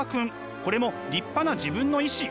これも立派な自分の意志。